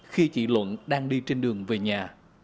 khi chị luận đang đi trên đường về nhà